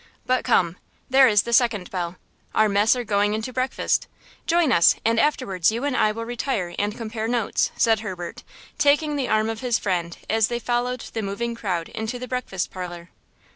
But come! There is the second bell. Our mess are going in to breakfast; join us and afterwards you and I will retire and compare notes," said Herbert, taking the arm of his friend as they followed the moving crowd into the breakfast parlor.